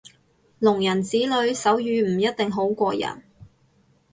聾人子女手語唔一定好過人